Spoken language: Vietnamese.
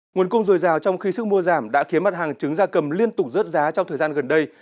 nguồn cung dồi dào trong khi sức mua giảm đã khiến mặt hàng trứng da cầm liên tục rớt giá trong thời gian gần đây